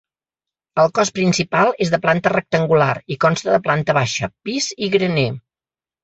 El cos principal és de planta rectangular i consta de planta baixa, pis i graner.